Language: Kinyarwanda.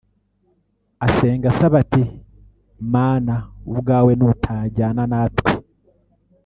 asenga asaba ati "mana ubwawe nutajyana natwe